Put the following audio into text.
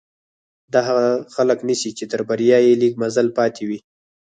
دا هغه خلک نيسي چې تر بريا يې لږ مزل پاتې وي.